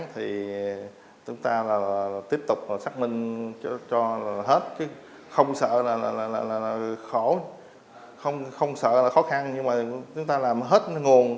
chúng ta tiếp tục xác minh cho hết không sợ là khó khăn nhưng chúng ta làm hết nguồn